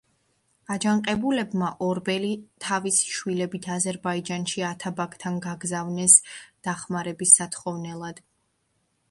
აჯანყებულებმა ორბელი თავისი შვილებით აზერბაიჯანში ათაბაგთან გაგზავნეს დახმარების სათხოვნელად.